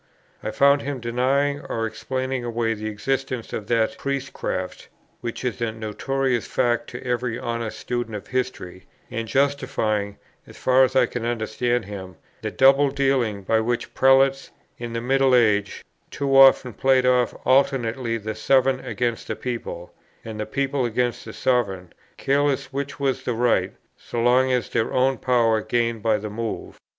I found him denying or explaining away the existence of that Priestcraft, which is a notorious fact to every honest student of history, and justifying (as far as I can understand him) that double dealing by which prelates, in the middle age, too often played off alternately the sovereign against the people, and the people against the sovereign, careless which was in the right, so long as their own power gained by the move.